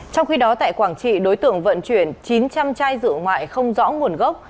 trong khi đó tại quảng trị đối tượng vận chuyển chín trăm linh chai rượu ngoại không rõ nguồn gốc